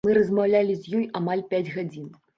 Мы размаўлялі з ёй амаль пяць гадзін.